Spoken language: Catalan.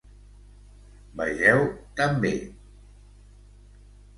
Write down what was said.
"Vegeu també"